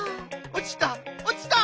おちた。